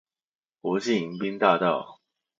國際迎賓大道